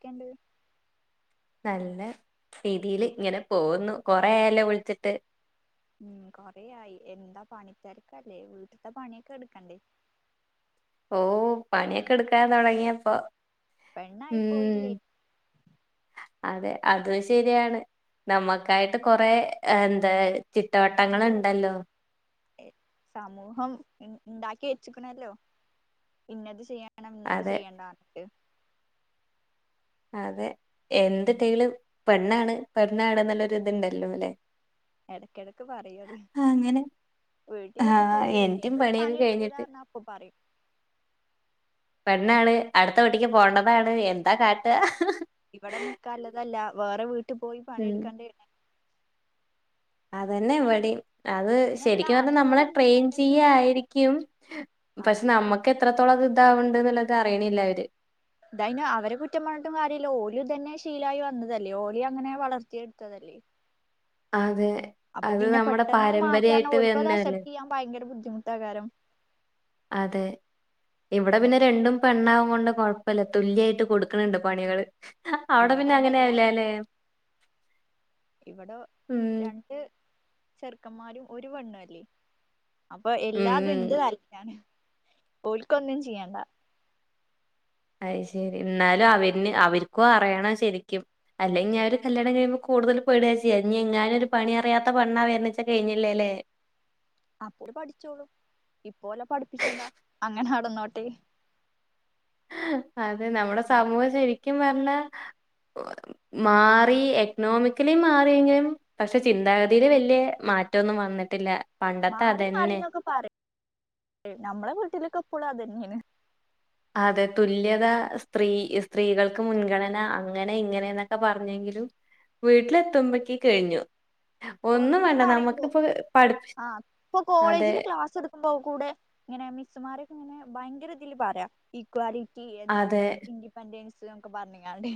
ക്കണ്ട് നല്ല രീതിൽ ഇങ്ങനെ പോകുന്നു കൊറയല്ലേ വിളിച്ചിട്ട് ഉം കൊറെയായി എന്താ പണി തിരക്കല്ലേ വീട്ടത്തെ പണിയൊക്കെ എടുക്കണ്ടേ [inaudible] ഓ പണിയൊക്കെ എടുക്കാൻ തുടങ്ങിയപ്പോൊ പെണ്ണായി പോയില്ലേ അതെ അത് ശരിയാണ് നമ്മുക്കായിട്ട് കൊറെ എന്താ പണികൾ ചിട്ടവട്ടങ്ങളുണ്ടല്ലോ സമൂഹം ഉണ്ടാക്കി വെച്ചക്കണല്ലോ ഇന്നത് ചെയ്യണം ഇന്നത് അതെ ചെയ്യണ്ട എന്നിട്ട് അതെ എന് ടൈള് പെണ്ണാണ് പെണ്ണാണ് എന്നുള്ള ഇത്ണ്ടല്ലോ അല്ലെ എടക്കെടക്ക് പറയത് വീട്ടിലൊക്കെ ആഹ് ഫുള്ള് തന്നെ എന്റെയും ഒരു പണിയൊക്കെ കഴിഞ്ഞിട്ട് പണിയെടുക്കൂലന്നാ അപ്പൊ പറയും പെണ്ണാണ് അടുത്ത വീട്ടിക്ക് പോകണ്ടതാണ് എന്താ കാട്ടുക ഇവിടെ നിക്കാല്ലതല്ല വേറെ വീട്ടിൽ പോയി പണിയെടുക്കാണ്ടന്നെ അതന്നെവിടി അത് ഇന്നെന്താ ശരിക്കും പറഞ്ഞാൽ ആണ്ങ്ങളോട് നമ്മളെ അയിന് ട്രെയിൻ പറയാത്തത് ചെയ്യായിരിക്കും പക്ഷെ ആയിരിക്കും നമ്മുക്ക് എത്രത്തോളം ഇതാവണ്ട് എന്നുള്ളത് അറിയണില്ല അവര് ഇതായന് അവരെ കുറ്റം പറഞ്ഞിട്ടും അവരെ കുറ്റം പറഞ്ഞിട്ടും കാര്യമില്ല ഓലും ഇ തന്നെ ചെയ്യണേ ശീലായി വന്നതല്ലേ ഓലി അങ്ങനെ വളർത്തിയെടുത്തതല്ലേ അതെ അപ്പൊ അത് പിന്നെ നമ്മടെ പെട്ടെന്ന് അത് മാറ്റിയാ പാരമ്പര്യായിട്ട് ഓൾക്കും അത് വര്ണല്ലേ അക്സെപ്റ്റ് ചെയ്യാൻ ഭയങ്കര ബുദ്ധിമുട്ടാകാരം അതെ ഇവിടെ പിന്നെ രണ്ടും പെണ്ണാവും കൊണ്ട് കൊഴപ്പല്ല തുല്യായിട്ട് കൊടുക്കണണ്ട് പണികള് അവിടെ ഇവിടെ പിന്നെ അതല്ല അങ്ങനെല്ലേ അല്ലേ ഇവിടെ രണ്ട് ചെറുക്കന്മാരും ഒരു പെണ്ണ അല്ലേ അപ്പൊ എല്ലാതും ഉം എന്ത് തരാണ് പോൽിക്കൊന്നും ചെയ്യണ്ട അത ശരി എന്നാലും അവരിന് അവർക്കും അറിയണം ശരിക്കും അല്ലെങ്കിൽ ഞാാനരു കല്യാണം കഴിയുമ്പോ കൂടുതല ടച്ച ന എങ്ങാനൊരു പണി അറിയാത്ത പണ്ണാ വന്ന് വെച്ചാ കഴിഞ്ഞില്ലേല്ലേ അപ്പോ പഠിച്ചോളൂ ഇപ്പോല്ലെ പഠിപ്പിച്ചേണ്ടാ അങ്ങനെ അടന്നോട്ടെ അതെ നമ്മുടെ സമൂഹം ശരിക്കും പറഞ്ഞാ മാറി എക്കണോമിക്കലി മാറിയെങ്കിലും പക്ഷെ ചിന്താഗതിയില് വല്ിയ മാറ്റൊന്നും വന്നിട്ടില്ല പണ്ടത്തെ മാറി അതന്നെ മാറിന്നൊക്കെ പറയും നമ്മളെ വീട്ടിലൊക്കെ എപ്പോള അതന്നെയന്ന് അതെ തുല്യത സ്ത്രീ സ്ത്രീകൾക്ക് മുൻഗണന അങ്ങനെ ഇങ്ങനെ എന്നൊക്കെ പറഞ്ഞ വീട്ടിലെത്തുമ്പോ കഴിഞ്ഞു ഒന്നും വേണ്ട നമുക്കിപ്പോ പഠിപ്പി ആഹ ഇപ്പൊ അതെ കോളേജില് ക്ലാസ് എടുക്കുമ്പോ കൂടെ ഇങ്ങനെ മിസ്സുമാര് അനെ ഭയങ്കര ഇതിൽ പറയാം ഈക്വാലിറ്റി എന്താ അതെ ഇൻഡിപൻഡൻസ് നമക്ക് പറഞ്ഞങ്ങണ്ട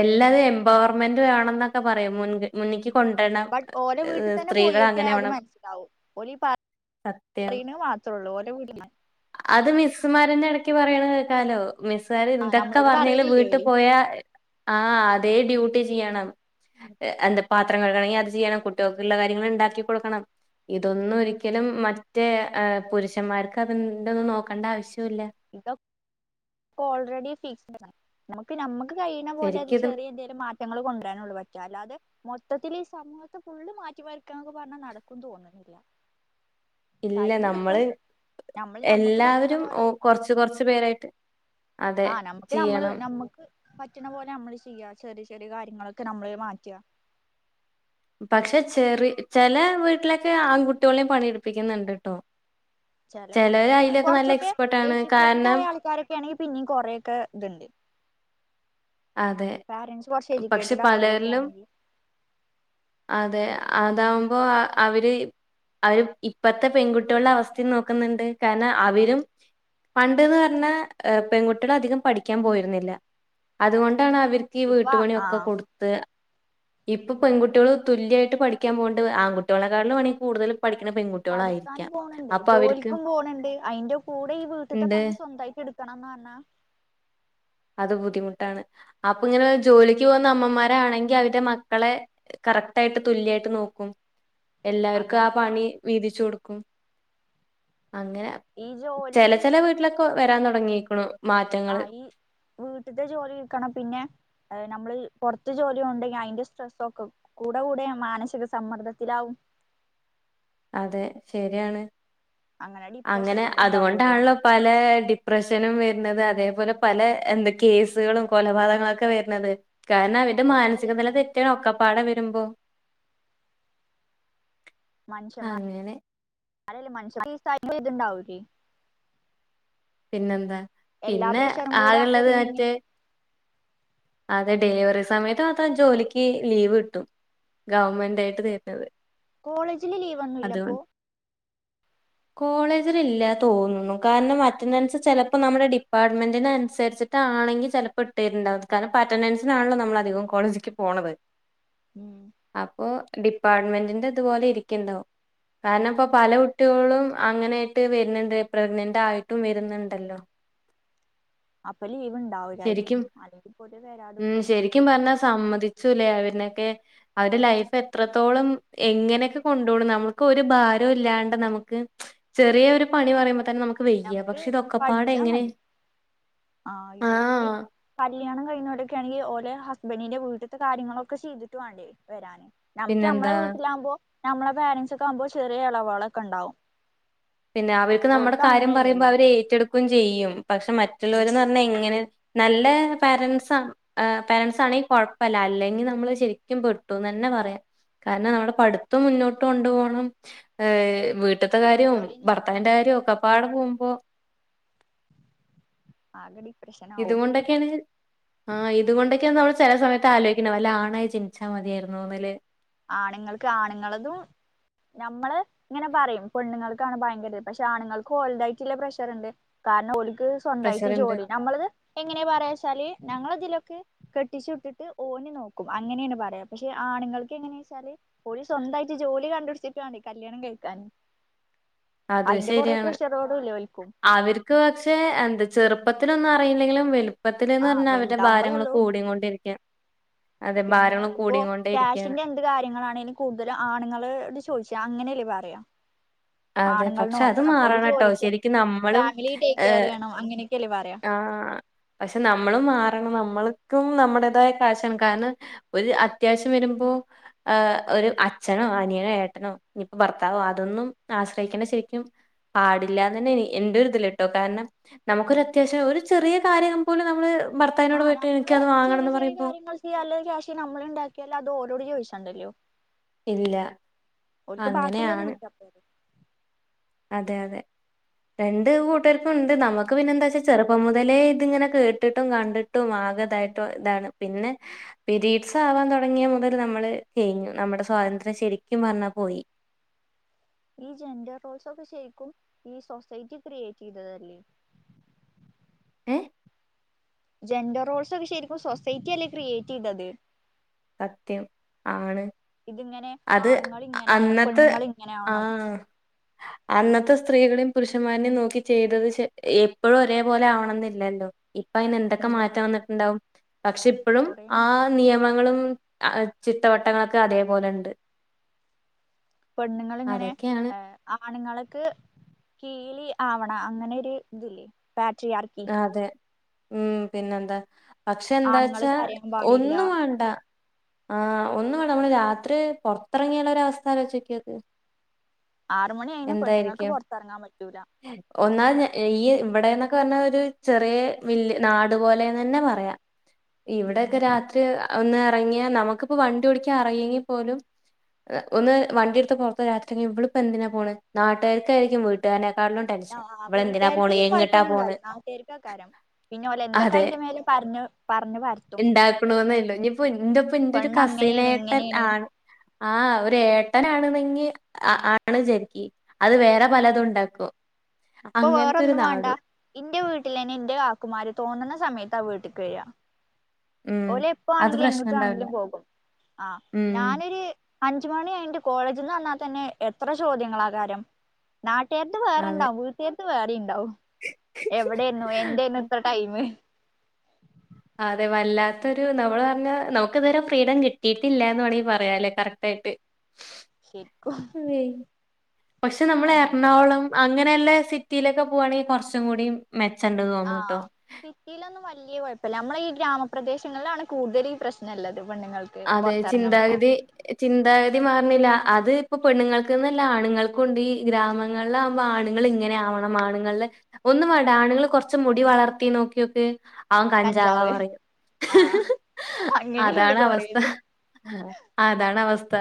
എല്ലാരും എംപവർമെന്റ് വേണം എന്നൊക്കെ പറയും മുൻ കൊണ്ടുവരണം ബട്ട് ഓല വീട്ടിൽ ഏഹ് തന്നെ സ്ത്രീകൾ പോയിൊക്കെ അങ്ങനെ അത് ആവണം മനസ്സിലാവും ഓലീ സത്യം അറീന മാത്രേള്ളൂ ഓരോ വീട അത് മിസ്സുമാരന്റെ ഇടക്ക് പറയണ കേക്കാലോ മിസ്സാാര് ആ ഇതൊക്കെ നമ്മളോട് പറഞ്ഞല് പറയലില്ലേ വീട്ടിൽ ഓല് പോയാ ആഹ അതേ ഡ്യൂട്ടി ചെയ്യണം എന്താ പാത്രങ്ങൾക്കണെങ്കി അത് ചെയ്യണം കുട്ടികൾക്ക ഉള്ള കാര്യങ്ങൾ ഉണ്ടാക്കി കൊടുക്കണം ഇതൊന്നും ഒരിക്കലും മറ്റേ പുരുഷന്മാർക്ക് അത്ണ്ടന്ന് നോക്കണ്ട ആവശ്യമില്ല ഇതൊ ഓൾറെഡി ഫക് നമുക്ക് നമ്മക്ക് കഴിയുന്ന പോലെ അത് ശരിക്കിത് ചെ റിയന്തെലും മാറ്റങ്ങൾ കൊണ്ടുവരാനുള്ളള്ളൂ പറ്റ അല്ലാെ മൊത്തത്തിൽ ഈ സമൂഹത്തെ ഫുള്ള് മാറ്റിമാറക്കൊക്കെ പറഞ്ഞാൽ നടക്ക തോന്നുന്നില്ല ഇല്ല ടൈം എടുക്കും നമ്മള് നമ്മൾ നമ്മക്ക് പറ്റണ എല്ലാവരും പോലെ കൊറച്ച് കു കൊറച്ച പേരായിട്ട് അതെ ആ നമുക്ക് നമ്മള് ചെയ്യണം നമ്മക്ക് പറ്റണ പോലെ നമ്മള് ചെയ്യാ ചെറിയ ചെറിയ കാര്യങ്ങളൊക്കെ നമ്മള് മാറ്റുക പക്ഷെ ചെറ ചെില വീട്ടിലൊക്കെ ആൺകുട്ടികളെയും പണിയ എടുപ്പിക്കുന്നുണ്ട് കേട്ടോ ചില വീടുകളില കൊറച്ചൊക്കെ എക്സ്പെർട്ട് ആണ് എഡ്യൂക്കേറ്റഡ് കാരണം ആയ ആൾക്കാരൊക്കെ ആണെങ്ക പിന്നീ കൊറെൊക്കെ ഇതുണ്ട് അതെ പാരൻറ്സ് കുറച്ച് പക്ഷെ എഡ്യൂക്കേറ്റഡ് ആയവരൊക്കെ പലരിലും ആണെങ്കിൽ അതെ അതാവുമ്പോ അവര് അവര് ഇപ്പത്തെ പെൺകുട്ടികളുടെ അവസ്ഥയിൽ നോക്കുന്നുണ്ട് കാരണം അവരും പണ്ട്ന്ന് പറഞ്ഞാ പെൺകുട്ടികൾ അധികം പഠിക്കാൻ പോയിരുന്നില്ല അതുകൊണ്ടാണ് അവർക്ക് ഈ ഇപ്പൊ വീട്ടുപണിയൊക്കെ കൊടുത്ത് ഇപ്പൊ പെൺകുട്ടികള് തുല്യായിട്ട് പഠിക്കാൻ പോകണ്ട് ആൺകുട്ടികളെക്കാളും വേണമെങ്കിൽ കൂടുതലും പഠിക്കാനും പോണണ്ട് അവർക്ക് ജോലിക്കും പോണണ്ട് അയിന്റെ കൂടെ ഈ വീട്ടത്തെ പണി സ്വന്തമായിട്ട് എടുക്കണം ആന്ന അത ബുദ്ധിമുട്ട അപ്പ ഇങ്ങനെ ജോലിക്ക് പോകുന്ന അമ്മമാണെങ്കിൽ അവടെ മക്കളെ കാർക്ട് ആയ്ഡ് തുല്ല്യ നോ എല്ലാവർക്കും ആ അതാണ് പണി വീതിച്ചു കൊടുക്കും അങ്ങനെ ഈ ചില ജോലിയും ചില വീട്ടിലൊക്കെ വരാൻ തുടങ്ങിയിരിക്കുന്നുു ആഹ ഈ വീട്ടത്തെ ജോലി കക്കണം പിന്നെ നമ്മള് പുറത്തു ജോലിയ ഉണ്ടെങ്കിൽ അതിന്റെ സ്ട്രെസ്സൊക്കെ കൂടെ കൂടെ മാനസിക സമ്മർദ്ദത്തിലാവും അതെ ശരിയാണ് അങ്ങനെ അങ്ങനെ ഡിപ്രഷനൊക്കെ ഉണ്ടാവുമല്ലോ അതുകൊണ്ടാണല്ലോ പല ഡിപ്രഷനും വരുന്നത് അതേപോലെ പല എന്താ കേസുകളും കൊലപാതകങ്ങളൊക്കെ വരുന്നത് കാരണം അവരുടെ ഒക്കെ മാനസിക നില തന്നെ തെറ്റാണ് ഒക്കെപ്പാടെ വരുമ്പോ അങ്ങനെ ആരെൽ മനുഷ്യ ഇതുണ്ടാവുകേ പിന്നെന്താ എല്ലാ പിന്നെ പ്രഷറും കൂടെ അപ്പൊ ആകുള്ളത് പിന്നെ ഇങ്ങനെ മറ്റേ അതെ ഡെലിവറി സമയത്ത അത ജോലിക്ക് ലീവ് കിട്ടും ഗവൺമെന്റ് ആായിട്ട് തരുന്നത് കോളേജില് ലീവ് ഒന്നുംല്ലപ്പൊ കോളേജിലല്ല തോന്നുന്നു കാരണം അറ്റൻഡൻസ് ചിലപ്പോ നമ്മുടെ ഡിപ്പാർട്ട്മെന്റിന അനുസരിച്ചിട്ടാണെങ്കിൽ ചിലപ്പോൾ ഇട്ട്ട്ടുണ്ടാവും കാരണം അറ്റൻ ആണല്ലോ നമ്മൾ അധികവും കോളേജിലെക്ക് പോണതാ ഉം ഡിപ്പാർട്ട്മെന്റിന്റെ ഇതുപോലെ ഇരിക്കണ്ടോ കാരണം ഇപ്പ പല കുട്ടികളും അങ്ങനൊയിട്ട് വരുന്നുണ്ട് പ്രഗ്നന്റ് ആയി ഒട്ടും വരുന്നുണ്ടല്ലോ അപ്പൊ ലീവ് ശരിക്കും ഉണ്ടാവൂലായിരിക്കും അല്ലെങ്കിൽ പോല് ഉം വരാതിക്കും ശരിക്കും പറഞ്ഞാൽ സമ്മതിച്ചുലേ അവര് അൊക്കെ അവടെ ലൈഫ് എത്രത്തോളം എങ്ങനെയൊക്കെ കൊണ്ടപടും നമ്മൾക്ക് ഒരു ഭാരം ഇല്ലാണ്ട് നമുക്ക് ചെറിയ ഒരു പണി പറയുമ്പോ തന്നെ നമു വെയ്യ നമുക്ക് പക്ഷെ ഇതൊക്കപ്പാടെ പഠിച്ചാ എങ്ങനെ മതി ആ ഇവർക്ക് ആഹ് കല്യാണം കഴിഞ്ഞ ക്കെങ്കിൽ ഓലെ ഹസ്ബൻഡിന്റെ വീട്ടത്തെ കാര്യങ്ങളൊക്കെ ചെയ്തിട്ട് വേണ്ടേ വരാാന് നമ്മുക്ക് നമ്മളെ പിന്നെന്താ വീട്ടിലാകുമ്പോ നമ്മളെ പേരൻസ് ഒക്കെ ആകുമ്പോ ചെറിയ ഇളവളൊക്കെ ഉണ്ടാവും പിന്നെ അവർക്ക് നമ്മുടെ ഓൽക്ക് കാര്യം പറയുമ്പോ അങ്ങനെയല്ലല്ലോ അവര് ഏറ്റെടുക്കുകയും ചെയ്യും പക്ഷെ ഉം മറ്റുള്ളവരന്ന് പറഞ്ഞാൽന അ നല്ല പാരൻസ് പാരന്സ് ആണെങ്കിൽ കുഴപ്പല്ല അല്ലെങ്കിൽ നമ്മള് ശരിക്കും പെ ന്ന് തന്നെ പറയാം കാരണം നമ്മുടെ പഠിത്തം മുന്നോട്ട് കൊണ്ടു പോണം ഏഹ് വീട്ടത്തെ കാര്യവും ജോലി നോക്കണം ഭർത്താവിന്റെ കാര്യവും ഒക്കെപ്പാട പോകുമ്പോ ആഗടി ഇതുകൊണ്ടൊക്കെയാണ് ആ ഇതുകൊണ്ടൊക്കെയ ന ചെല സമയത്ത് ആലോിക്കണം അല്ല ആണായി ജനിച്ചാൽ മതിയായിരുന്നു ന്ന്ലെ ആണുങ്ങൾക്ക് ആണുങ്ങളതും നമ്മള് ഇങ്ങനെ പറയും പെണ്ണുങ്ങൾക്കാണ് ഭയങ്കര പക്ഷെ ആണുങ്ങൾക്ക് ഓർത് ആയിട്ടുള്ള പ്രഷർ ഉണ്ട് കാരണംഓലിക്ക് സ്വന്തമായിട്ട് പ്രഷറുണ്ട് ജോലി നമ്മളത് എങ്ങനെയാ പറയാ ല ഞങ്ങൾതിലൊക്കെ കെട്ടിച്ചു വിട്ടിട്ട് ഓല് നോക്കും അങ്ങനെയാണ് പറയാം പക്ഷെ ആണുങ്ങൾ എങ്ങന വെച്ചാല് ഓല് സ്വന്തായിട്ട് ജോലി കണ്ടു പിടിച്ചിട്ട് വേണം കല്യാണം കഴിക്കാൻ അത് അതിന്റെ കൊറേ ശരിയാണ് പ്രഷറോടുംല്ലേ ഓൽക്കും അവർക്ക് പക്ഷെ എന്താ ചെറുപ്പത്തിനൊന്ന പറയില്ലെങ്കിലും വളുപ്പത്തില്ന്ന് ആഹ് പറഞ്ഞാ അവരുടെ ഭാരങ്ങള് വലുതാവുമ്പോളൊള്ളൂ കൂടി കൊണ്ടിരിക്ക പിന്നെ ഇപ്പ ക്യാഷിന്റെ എന്ത് കാര്യങ്ങളാണേങ്കിലും കൂടുതലും ആണുങ്ങോട് ചോദിച്ച അങ്ങനെയല്ലേ പറ പറയ അതെ ആണുങ്ങൾ പക്ഷെ അത് നോക്കണം ഒരു മാറണംട്ടോ ജോലിക്ക് ശരിക്കും പോണം നമ്മളും ഫാമിലി ടേക്ക് കെയർ ചെയ്യണം അങ്ങനെയൊക്കെല്ലേ പറയാ ആ പക്ഷെ നമ്മളും മാറണം നൾക്കും നമ്മുടേതായ കാശാണ് കാരണം ഒരു അത്യാവശ്യം വരുമ്പോ ഒരു അച്ഛനോ അനിയനോ ഏട്ടനോ ഇനിപ്പോ ഭർത്താവോ അതൊന്നും ആശ്രയിക്കേണ്ട ശരിക്കും പാടില്ലന്ന് തന്നെ എന്റെ ഇതില് കട്ടോ കാരണം നമുക്കൊരു അത്യാവശ്യം ഒരു ചെറിയ കാര്യം പോലും നമ്മള് ഭർത്താവിനോട് ആഹ് പോയിട്ട് നമ്മള് എനിക്കത് ചെറിയ വാങ്ങണംന്ന് ചെറിയ പറയുമ്പോ കാര്യങ്ങൾ ചെയ്യാല്ല ക്യാഷ് നമ്മള് ഉണ്ടാക്കിയല്ല അത്ഓ ട് ചോദിച്ചണ്ടല്ലോ ഇല്ല ഓൽക്ക് ബാക്കില്ലേ അങ്ങനെയാണ്. നോക്ക്യാപ്പ അതെ അതെ രണ്ട് കൂട്ടർക്കും ഉണ്ട് നമ്മുക്ക് പിന്നെ എന്താ വച്ചാ ചെറുപ്പം മുതലേ ഇതിങ്ങനെ കേട്ടിട്ടും കണ്ടിട്ടും തായിട്ട് ഇതാണ് പിന്നെ പിരീട്സ് ആവാൻ തുടങ്ങിയ മുതൽ നമ്മള് കഴിഞ്ഞു നമ്മുടെ ശരിക്കും പറഞ്ഞാ പോയി ഈ ജെൻഡർ റോൾസ് ഒക്കെ ശരിക്കും ഈ സൊസൈറ്റി ക്രിയേറ്റ് ചെയ്തതല്ലേ ഏ ജെൻഡറോൾസ് ഒക്കെ ശരിക്കും സൊസൈറ്റി അല്ലേ ക്രിയേറ്റ് ചെയ്തത് സത്യം ആണ് ഇതിങ്ങനെ അത് ആണുങ്ങൾ ഇങ്ങനെയ ആണം അന്നത്തെ പെണ്ണുങ്ങൾ ഇങ്ങനെ ആ ആണം അന്നത്തെ സ്ത്രീകളും പുരുഷന്മാരനെയും നോക്കി ചെയ്തത് എപ്പോഴും ഒരേപോലെ ആവണം എന്നില്ലല്ലോ ഇപ്പൊ അതിനന് എന്തൊക്കെ ഇല്ല മാറ്റം വന്നിട്ടുണ്ടാവും പക്ഷെ ഇപ്പോഴും കൊറേ ആ മാറ്റങ്ങളുണ്ട് നിയമങ്ങളും ചിത്തവട്ടങ്ങളൊക്കെ അതേപോലെ ഉണ്ട് പെണ്ണുങ്ങളിങ്ങനെ അതൊക്കെയാണ് ആണുങ്ങളക്ക് കീലി ആവണ അങ്ങനെ ഒരു ഇതില്ലേ ബാറ്ററി ആർക്കി അതെ ഉം പിന്നെന്താ പക്ഷെ ആണുങ്ങൾ എന്താച്ചാ കരയാൻ പാടില്ല ഒന്നും വേണ്ട ആ ഒന്നും നമ്മള് രാത്രി പുറത്തിറങ്ങിയുള്ളര വസ്ഥ ആലോചിച്ചോക്കത് ആറ് മണി ആയിന പെണ്ണുങ്ങൾക്ക് എന്തായിരിക്കും പുറത്തിറങ്ങാൻ പറ്റൂല ഒന്നാല് ഞാ ഈയ്യ് ഇവിടെന്നൊക്കെ പറഞ്ഞാ ഒരു ചെറിയ വല്ല്യ നാട് പോലെന്ന് തന്നെ പറയാം ഇവിടൊക്കെ ഉം രാത്രി ഒന്നെറങ്ങിയാ നമുക്കിപ്പോ വണ്ടി ഓടിക്കാൻ അറിയെങ്കിൽ പോലും ഒന്ന് വണ്ടിയെടുത്ത് പൊറത്ത് രാത്രിയെറങ്ങി ഇവിളിപ്പോ എന്തിനാ പോണെ നാട്ടാര്ക്കായിരിക്കും വീട്ടാരനെ ക്കാലും ടെൻഷൻ ആഹ് ഇവളെന്തിനാ വീട്ടുകാർക്ക് പോണെ എങ്ങിട്ടാ കൊഴപ്പൊന്നും പോണെ ഉണ്ടാവില്ല നാട്ടുകാർക്കാക്കാരം പിന്നെ ഓലെ എന്തൊക്കെ അതെ അയിന്റെ മേലെ പറഞ്ഞ് പറഞ്ഞ് പരത്തും ഇണ്ടാക്കണോന്നേല്ലൂ ഇനിപ്പോ ഇന്റെപ്പ ഇന്റൊരു പെണ്ണ് അങ്ങനെയാണ് കസിനായിട്ട് ഇങ്ങനെയാണ് ആ ആഹ് ഒരു ഏട്ടനാണന്നെ ങ്കി ആണ് ശരിക്ക് അത് വേറെ പലതും ഉണ്ടാക്കും ഇപ്പൊ അങ്ങനത്തെ ഒരു വേറൊന്നും വാണ്ട. നാടു ഇന്റെ വീട്ടിലെന്നെ ഇന്റെ കാക്കുമാര് തോന്നുന്ന സമയ ത്താ വീട്ടേക്ക് വെരാ ഉം അത് ഓല്എപ്പാണെങ്കിലും പ്രശ്നം ഉണ്ടാവില്ല എങ്ങോട്ടാണെങ്കിലും പോകും ആഹ് ഉം ഞാനൊരു അഞ്ച് മണി കഴിഞ്ഞിട്ട് കോളേജിന്ന് വന്നാ തന്നെ എത്ര ചോദ്യങ്ങളാകാരം നാട്ടാര്ത്ത് അതെ വേറെണ്ടാവും വീട്ടേര്ത്ത് വേറിണ്ടാവും എവിടായിന്നു എന്തായിരുന്നു ഇത്ര ടൈമ് അതെ വല്ലാത്തൊരു നമ്മള് പറഞ്ഞ നമുക്ക് ഇതുവരെ ഫ്രീഡം കിട്ടിയിട്ടില്ലാന്ന് വേണെങ്കിൽ പറയാലെ കറക്റ്റാ യിട്ട് ശരിക്കും പക്ഷെ നമ്മള് അങ്ങനെയൊക്കെ പറ എറണാകുളം അങ്ങനെയൊള്ള സിറ്റിയിലൊക്കെ പോകുവാണെങ്കിൽ കൊറച്ചുക്കൂടി ആഹ് സിറ്റിയിലൊന്നും വല്ല്യ കൊഴപ്പല്ല നമ്മളീ ഈ ഗ്രാമപ്രദേശങ്ങളിലാണ് കൂടുതൽ ഈ പ്രശ്നള്ള അതെ ചിന്താഗതി ചിന്താഗതി മാറ്ണ്ല്ല അത് ഇപ്പം പെണ്ണുങ്ങൾക്ക്ന്നല്ല ആണുങ്ങൾക്കുണ്ട് ഈ ഗ്രാമങ്ങളിലാവുമ്പോ ആണുങ്ങൾ ഇങ്ങനെയാവണം ആണുങ്ങളിലെ ഒന്നും വാണ്ട ആണുങ്ങള് കൊറച്ച് മുടി വളർത്തി നോക്കിയോക്ക് അവൻ കഞ്ചാവാ കഞ്ചാവ് പറയും ആഹ് അങ്ങനെയുണ്ട് അതാണ് അവസ് കൊറേത് അതാണ് അവസ്ഥ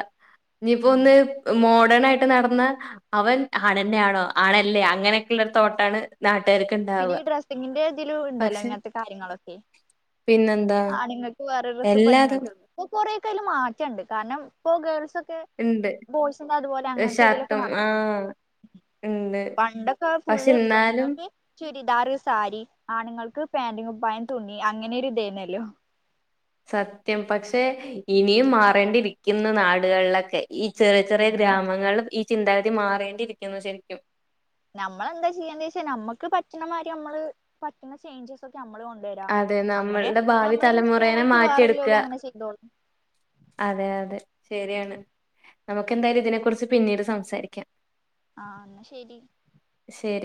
ഉം ഇനിയിപ്പോന്ന് ഏ മോ ഡേണായിട്ട് നടന്ന അവൻ ആണന്നെയാണോ ആണല്ലേ അങ്ങനെയൊക്കെയുള്ള ഒരു തോട്ടാണ് നാ പിന്നെ ഈ ഡ്രസ്സിങ്ങിന്റെ ഇതിലുമുണ്ടല്ലോ പക്ഷെ ഇങ്ങനത്തെ കാര്യങ്ങളൊക്കെ പിന്നെന്താ ആണുങ്ങൾക്ക് വേറെ ഡ്രസ്സ് എല്ലാതും പെണ്ണുങ്ങൾക്ക് ഇപ്പൊ കൊറെയൊക്കെ അയില് മാറ്റണ്ട് കാരണം ഇപ്പൊ ഗേൾസൊ ക്കെ ഇണ്ട് ബോയ്സിന്റെ അതുപോലെ അങ്ങനെത്ത ഇതിലൊക്കെ ഷർട്ടും നടക്കേണ്ട്ഞ്ഞി ആഹ് ഇണ്ട് പണ്ടൊക്കെ ഫുൾ പക്ഷെ ഇന്നാലും പെണ്ണുങ്ങൾക്ക് ചുരിദാറ് സാരി ആണുങ്ങൾക്ക് പാൻ്റ്കുപ്പായം തുണി അങ്ങനൊരു ഇതായിരുന്നല്ലോ സത്യം പക്ഷെ ഇനിയും മാറേണ്ടിരിക്കുന്നു നാടുകളിലൊക്കെ ഈ ചെറിയ ചെറിയ ഉം ഗ്രാമങ്ങള്ളും ഈ ചിന്താഗതി മാറേണ്ടിയിരിക്കുന്നു ശരിക്കും നമ്മളെന്താ ചെയ്യേണ്ടിവച്ചാ നമുക്ക് പറ്റണ മാതിരി നമ്മള് പറ്റുന്ന ചേഞ്ചസൊക്കെ അ കൊണ്ടുവരാ അതെ അങ്ങനെ നമ്മളുടെ ഭാവി നമ്മളെ ഇൻസ്പയർ തലമുറേനെ ആയിട്ട് വേറല്ലോല്ലും മാറ്റിയെടുക്കുക അങ്ങനെ ചെയ്തോളൂം അതെ അതെ ശരിയാണ് നമുക്കന്തായാലും ഇതിനെ കുറിച്ച് പിന്നീട് സംസാരിക്കാ ആഹ് എന്നാ ശരി ശരി